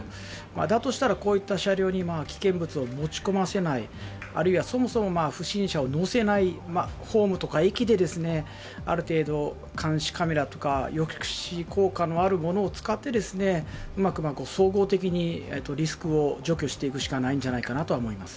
だとしたらこういった車両に危険物を持ち込ませないあるいはそもそも不審者を乗せない、ホームとか駅である程度、監視カメラとか抑止効果のあるものを使ってうまく総合的にリスクを除去していくしかないんじゃないかなと思います。